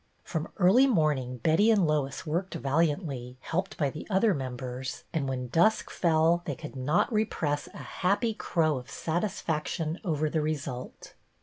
From early morning Betty and Lois worked valiantly, helped by the other members, and when dusk fell they could not repress a happy the order of the cup 209 crow of satisfaction over the result.